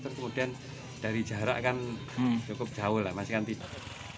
terus kemudian dari jarak kan cukup jauh lah masih kan tidak